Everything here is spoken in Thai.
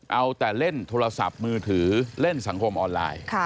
เอาแต่เล่นโทรศัพท์มือถือเล่นสังคมออนไลน์